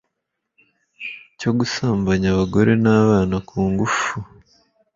cyo gusambanya abagore n'abana ku ngufu